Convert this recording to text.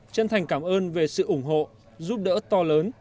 chân thành cảm ơn về sự ủng hộ giúp đỡ to lớn